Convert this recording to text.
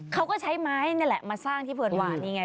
เขาก็ใช้ไม้นี่แหละมาสร้างที่เพลินหวานนี่ไง